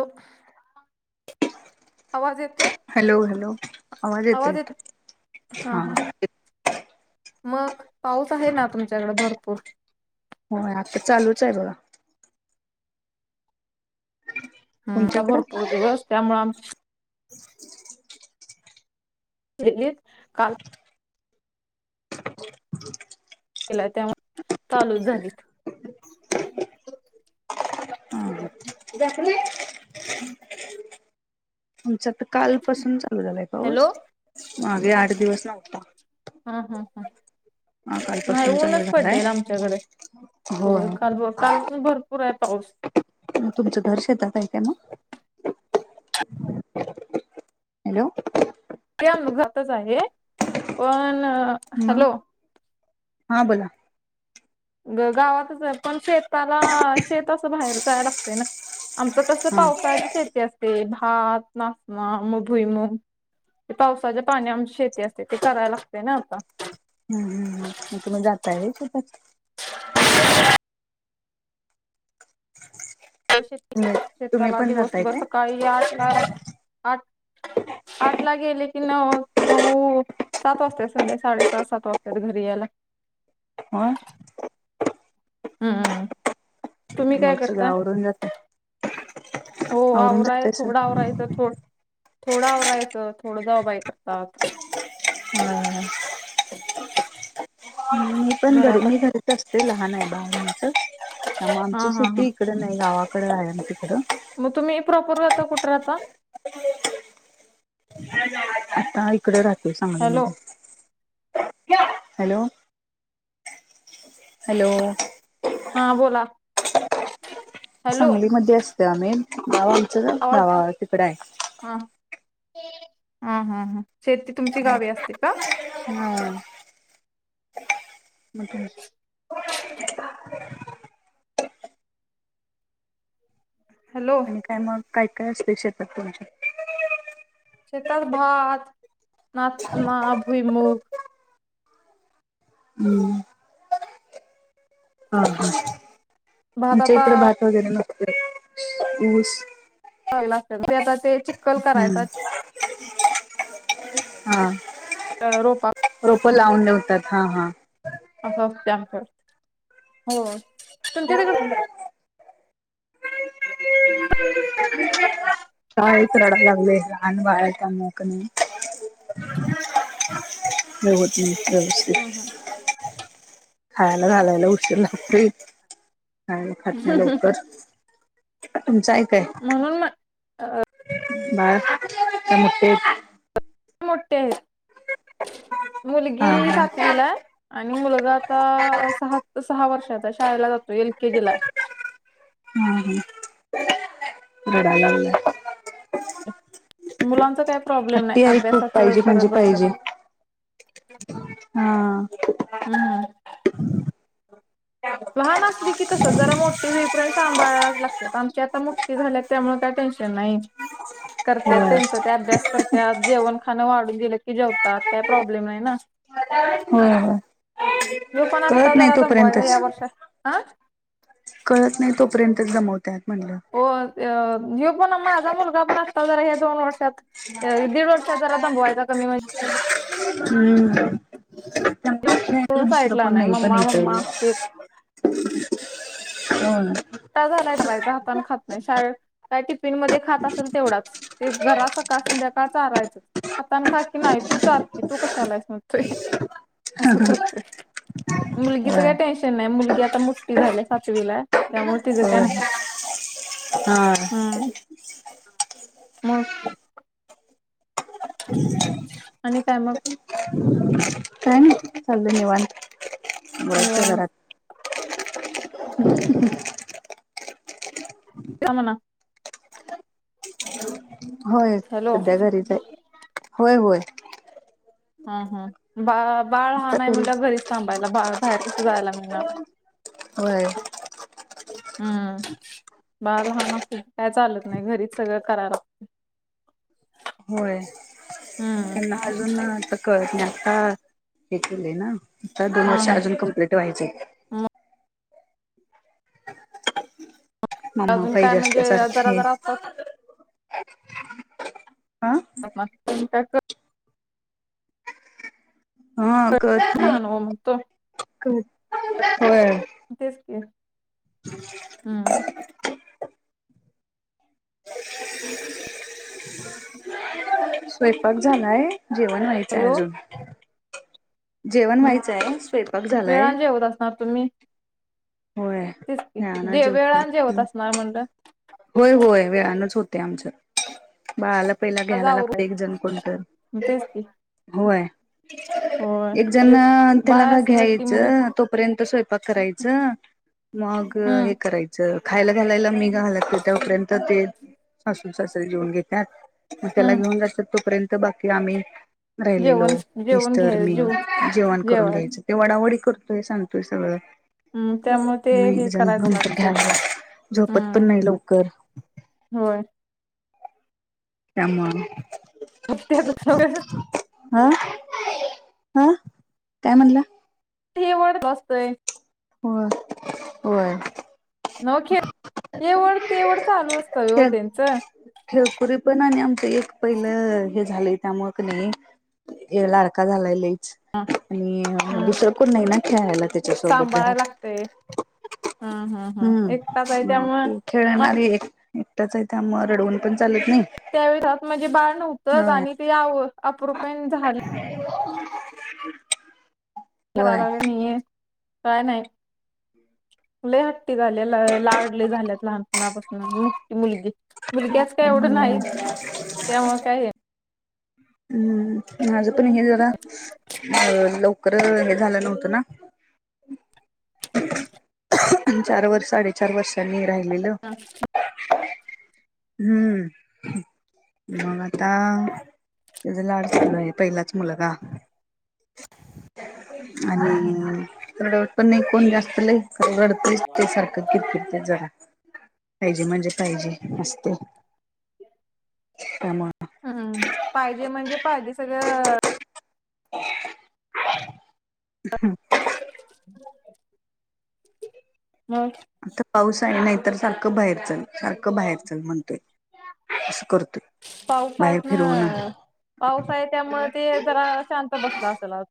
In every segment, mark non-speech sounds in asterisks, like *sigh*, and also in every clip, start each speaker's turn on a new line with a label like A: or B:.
A: हो, आवाज येतोय?
B: हॅलो हॅलो येतोय
A: आवाज
B: का?
A: येत हा, हा, मग पाऊस आहे ना, तुमच्याकडे भरपूर!
B: होय आता, चालूच आहे बघा,
A: ह आता
B: तुमच्याकडं
A: भरपूर दिवस, त्यामुळे आम्हा *unintelligible* काल केलाय त्यामुळे, चालूच झालीत,
B: *unintelligible* आमच आता काल पासून चालू झालाय
A: हॅलो
B: पाऊस, मागे आठ दिवस नव्हता.
A: हा, हा, हा
B: हा
A: नाही
B: कालपासून चालू
A: ऊनच
B: झालाय
A: पडलेल, आमच्याकडे, होय काल काल, पण भरपूर आहे पाऊस,
B: तुमचं दर शेतात आहे का ना? हॅलो
A: ते अमघातच आहे पण
B: म
A: हॅलो
B: हा बोला
A: ग गावातच आहे पण शेताला शेत असं बाहेर जायला लागतंय ना? आमचं कसं
B: हा
A: पावसाळी शेती असते भात, नाचना, भुईमूग ते पावसाचे पाणी आमची शेती असते ते करायला लागते ना आता.
B: हम् हम् मग तुम्ही जाताय स्तः
A: *unintelligible* शे
B: तुम्ही तुम्ही
A: शेताला
B: पण जाताय
A: दिवसभर
B: काय
A: सकाळी आठला आठ पाठला गेले की नऊ सात वाजता संध्या साडेसात सात वाजता्या घरी यायला.
B: हं
A: हम्म तुम्ही काय
B: मगस
A: करताय?
B: आवरून जातय.
A: हो आवरा आहे थोडा आवरायचं थोड. थोडं आवरायचं थोडं जाव बाय करतात.
B: हम्म मी पण घरी
A: घरात
B: मी घरीच असते लहान आहे बावंच त्यामुळे
A: हा
B: आमची
A: हा हा.
B: शेती. तिकडे नाही गावाकडडे आहे ना तिकडं.
A: मग तुम्ही प्रॉपर राहता कुठे राहता?
B: आता इकडे राहो सांगली
A: हॅलो
B: म हॅलो हॅलो
A: हा बोला हॅलो
B: सांगलीमध्ये असत आम्ही नगाव आमचं
A: आवाज
B: नावा तिकड आहे.
A: हा हा हा ह शेती तुमची गावी असते का?
B: हम्म *unintelligible*
A: हॅलो
B: त्या मग काय काय असले शेतात तुमचे.?
A: शेतात भात, नाचणं, भुईमुख
B: हम् हा हा आ
A: भात
B: तुमच्या
A: आता
B: इकडं भात म ऊस
A: आता ते करायचा
B: हम्म हा
A: रोपा
B: रोपं लावून नवतात हा हा.
A: आमच्यावर हो तुमच्या
B: कायच रडाला लागलेय लहान वया त्या मोकनी *unintelligible*
A: हम् हम
B: खायला घालायला उशीर लारी खायला खात नाही लवकर. तुमचं ऐकय
A: म्हणून मग
B: *unintelligible*
A: मोठे आहेत
B: हा
A: मुलगी
B: हा
A: सातवीला आणि मुलगा आता सहा सहा वर्षाचा शाळेला जातो एल केजी ला.
B: हम् हडा
A: मुलांच काही प्रॉब्लेम नाही
B: हट्टी आहे
A: अभ्यासाच करत बसतात.
B: हां
A: नांत लहांन असली की तसं जरा मोठीं हो र्य सांभाळाचं लागते आमची आता मोठी झाल्यातं त्यामुळें कांहीं टेन्शन नाहीं करत्यांत
B: होय
A: त्यांचं ते अभ्यांस करतात जेवणं खाणं वाढूंन दिलं की जेवतांत कायं प्रॉब्लेम नाहीं नां *inaudible* *unintelligible*
B: बरं कळतं नाहीं तोपर्यंतचं
A: हां
B: कळतं नाहीं तोपर्यंत दमवत्यांत म्हणलं?
A: हो हे पणं माझा मुलंगा पणं आता जरा हे दोन वर्षांत. दीड वर्षांत जरा दमवांयचा कमी म्हणजे.
B: हम्मं *inaudible* *unintelligible*
A: तो साईटला
B: कोण
A: नाहीं
B: नाही पण
A: मम्मा
B: इथं
A: मम्मा
B: हंम
A: तझां नाहीं करायंचा हातन खातं नाहीं शाळेंत कायं टिफिन मध्यें खातं असेल तेवढांच एक घराचं संकाळ संध्याकाळं चारायचं हातानं खाकी नाहीं तूं चार तूं कशांलाय म्हणतोय असं करतोय? मुलगीचं
B: होय
A: कायं टेन्शन नाहीं मुलगी आता मोठी झाल्या सातवीला आहे. त्यां मूळं तिचं कायं
B: होय
A: नाहीं
B: हा
A: हम्मं मंग आणि कायं मंग
B: काय नाही चाललंय निवांत वरच्यां
A: निवांत
B: घरांत ह *unintelligible*
A: यां म्हंणा
B: होयं
A: हॅलो
B: संध्या घरीच आहे होयं होयं.
A: हंम हंम बा बाळं
B: आता
A: लहान आहे
B: घरी
A: म्हटल्या वर घरीचं थांबायला बा बाहेर कसं जायंला मिळणारं?
B: होय?
A: हम्म बाळं लहान असतं कायं चालतं नाहीं घरीचं सगळं करायला लाग
B: होय.
A: हम्मं
B: नहांजून--नं कळतं नाहीं आता हे केलेय नां आता दोन
A: हा
B: वर्षं
A: हा
B: अजूंन कंप्लीट व्हायचे आहेतं.
A: मग
B: मम्मा
A: अजूंन कायं
B: पाहिजे असल्या
A: म्हणजे जरां
B: सारखे
A: जरां असतांत
B: ह
A: पांच मिनटांत करं
B: हां करं
A: लहान हो म्हणतो
B: करं होय.
A: तेचं की हम्मं
B: स्वंयपांक झालायं जेवणं व्हायचंय
A: हॅलो
B: अजूंन? जेवणं
A: हम्म
B: व्हायचंय आहे स्वंयपांक झालायं?
A: वेळान जेवत
B: होय
A: तेचं की दे वेळानं जेवतं असणारं म्हणलं?
B: होयं होयं वेळानचं होतंय आमचं. बाळांला पहिला
A: आज
B: घ्यायलां लागतं
A: आवरायचं
B: एक जणं कोणं
A: तेच की
B: तरं.
A: होय
B: एक
A: तेच
B: जणं त्यांला
A: बाळ असलं की मग
B: घ्यायचं तोपर्यंत स्वयंपाक करायचं? मंग
A: हम्म
B: हे करायचं. खायलां घालांयला मी घालते तोपर्यंत ते सासूू सासरे जेवूंन घेतात त्यांला
A: हम्म
B: घेऊनं जांतात तोपर्यंत बाकी आम्ही राहिलेलो
A: जेवण जेवण
B: मिस्टंर
A: घ्याय
B: मी
A: जेव
B: जेवणं करूंन
A: जेवाय
B: घ्यायचं? ते वडांवडी करतोय सांडतोय सगळं?
A: हम्मं त्यामुळें ते
B: मग एक
A: हे
B: जण
A: करायचं
B: नंतर
A: लागते
B: घ्यायला झोपत पण
A: हम्मं
B: नाही लवकर
A: होय
B: त्यामुळे
A: *unintelligible*
B: हा हा काय म्हणला
A: *unintelligible*
B: होय होय
A: नव्ह खेळ हे वढ ते वढ चालू असतय ओ त्यांचं
B: खिळकुरी पण आणि आमचं एक पहिलं हे झालंय त्यामुळ कनी ह्यो लाडका झालाय लईच आणि
A: हम्म
B: दुसरं कोण नाही ना खेळायला त्याच्यासोबत घरात
A: सांभाळायला लागतंय हम्म हम्म एकटाच आहे
B: हम्म
A: त्यामुळे
B: ते खेळणारी एक एकटाच आहे त्यामुळ रडवून पण चालत नाही
A: त्यावेळेस घरात म्हणजे बाळ नव्हतंच
B: होय
A: आणि तेव्हा अपरु कायन झालंच
B: होय
A: करायला वेळ नाहीये काय नाही लय हट्टी झाली आहे लाड लय झाल्यात लहानपणापासून मोठी मुलगी मुलग्याच काय एवढं नाही
B: हम्म
A: त्यामुळ काय हे
B: हम्म माझं पण हे जरा अ लवकर हे झालं नव्हतं ना चार वर्ष साडेचार वर्षांनी राहिलेलं
A: *inaudible*
B: हम्म मग आता त्याचा लाड चालू आहे पहिलाच मुलगा?
A: *inaudible*
B: आणि रडवत पण नाही कोण जास्त लेकरु रडतयच सारख किरकिरत जरा पाहिजे म्हणजे पाहिजे असतयं त्यामुळ
A: हम्म हम्म पाहिजे म्हणजे पाहिजे सगळं
B: *inaudible*
A: *inaudible* *unintelligible*
B: आता पाऊस आहे नाही तर सारखं बाहेर चल सारखं बाहेर चल म्हणतोय असं करतोय बाहेर
A: पाऊसातन
B: फिरवणं
A: पाऊस आहे त्यामुळे ते जरा शांत बसला असेल आज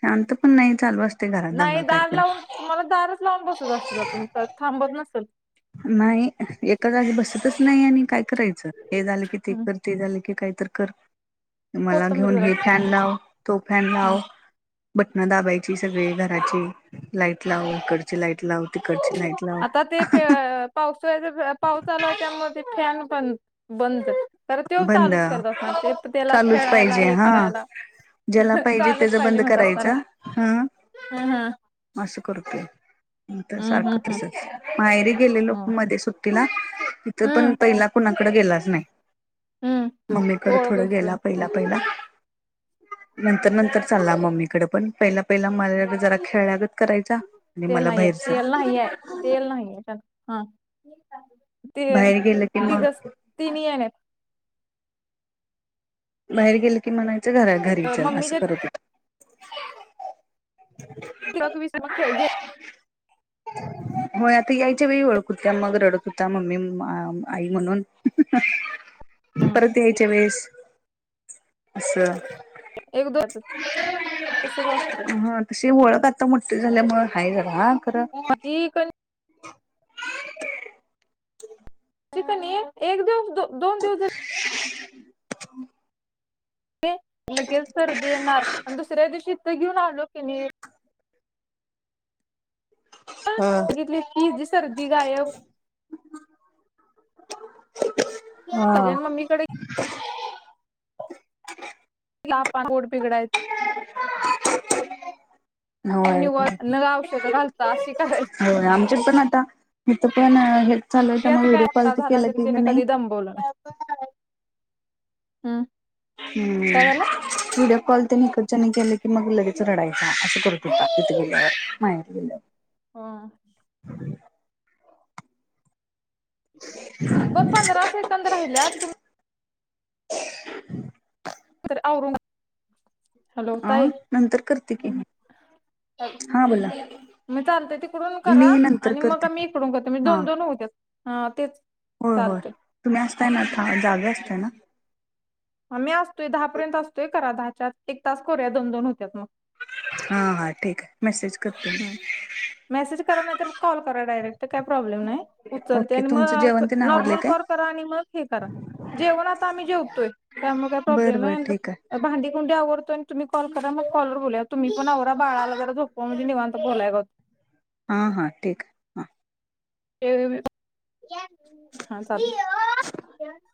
B: शांत पण नाही चालू असत
A: नाही दार लावून तुम्हाला दारच लावून बसत असशिला तुम्ही तर थांबत नसल
B: नाही एका जागी बसतच नाही आणि काय करायचं हे झालं की ते कर ते झाली की काही तर कर मला
A: कोथंबीर
B: घेऊन
A: जरा
B: हे फॅन लाव तो फॅन
A: हम्म
B: लाव बटण दाबायची सगळी घराची लाईट लाव इकडची लाईट लाव तिकडची लाईट लाव
A: आता ते प पावसाळे पाऊस आलाय त्यामुळ ते फॅन पण बंद परत त्यो
B: बंद
A: चालूच करत असणार तेप त्याला
B: चालूच
A: खेळायला
B: पाहिजे
A: हे
B: हा
A: करायला
B: ज्याला
A: चालूच
B: त्याच
A: पाहिजे
B: बंद
A: म्हणत असणार
B: करायचं हा
A: हम्म हम्म
B: असं करतोय तर
A: हम्म हम्म
B: सारखं
A: हम्म
B: तसच माहेरी गेलेलो
A: हम्म
B: मध्ये सुट्टीला तिथ पण
A: हम्म
B: पहिला कुणाकडे गेलाच नाही
A: हम्म
B: मम्मीकड
A: ओळख
B: थोडं गेला
A: होईपर्यंत
B: पहिला पहिला
A: *inaudible*
B: नंतर नंतर चालला मम्मीकडे पण पहिला पहिला माझ्याकड जरा खेळल्यागत करायचा आणि
A: तेल
B: मला
A: नाहीये
B: बाहेरच
A: तेल नाहीये तेल नाहीये हेच्यात हा ते
B: बाहेर गेलं की
A: तिघ
B: मग
A: तीन आहे
B: बाहेर गेल की म्हणायचं घरा घरीच आहे असं
A: मम्मीच्या
B: करत होतो
A: गवी समख
B: होय आता यायच्या वेळी ओळख होत्या मग रडक होत मम्मी आई म्हणून परत यायच्या वेळेस असं
A: एक दो तसच असतय
B: अशी वओळख आता म्हट झाल्यामुळे हाय झारा
A: ह की को
B: *unintelligible*
A: तिथ एक दिवस दोन दिवस लगेच सर्दी येणार आणि दुसऱ्या दिवशी तर घेऊन आलो की नाही
B: हा
A: ह घितली ती जी सर्दी गायब
B: हो
A: सजन मम्मीकडे ोड बिगडायं ती
B: होय
A: निव न गाव शोक घलता अशी कराय
B: हो आमच्यात पण आता मीथ पण हे
A: काय आता झाला तरी तिने कधी दमबवलं हम्
B: हम्म व्हिडिओ कॉल त्यांनी इकडच्याने केलं की मग लगेच रडायच असं करत होता तिथे गेल्यावर माहीत गेल्यावर
A: हा
B: ह
A: ब पंधरा एकंद राहिल्यात तुम् हॅलो
B: अ
A: ताय
B: नंतर करते की
A: का
B: हां बोला
A: मग चालत तिकडून
B: मी
A: करा
B: नंतर
A: आणि मग
B: करते
A: आम्ही इकडून करतो म्हणजे दोन दोन होते तेच
B: हो होय
A: चालतंय
B: तम्ही असता ना का जागा असता ना
A: मी असतोय दहापर्यंत असतोय करा दहाच्या एक तास करूया दोन दोन होत्यात मग
B: हां हां ठीक आहे मेसेज करते म
A: मग मेसेज करा नाहीतर कॉल करा डायरेक्ट काय प्रॉब्लेम नाही उचलते
B: ओके
A: आणि
B: तुमचं
A: मग
B: जेवण ते आवरले
A: नॉर्मल
B: काय
A: कॉल करा आणि मग हे करा जेवण आता आम्ही जेवतोय त्यामुळे काही प्रॉब्लेम
B: बरं बरं
A: नाही
B: ठीक आहे
A: अांडी कुंडी आवरतो आणि तुम्ही कॉ करा मग कॉलवर बूल तुम्ही पण आरा बाळालागरा झोपामध्येेवान तर बोलाय गत
B: हां हां ठीक हा
A: *unintelligible*